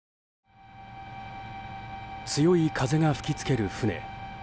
強い風が吹きつける船。